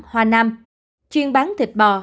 hòa nam chuyên bán thịt bò